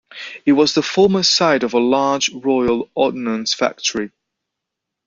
It was the former site of a large Royal Ordnance Factory.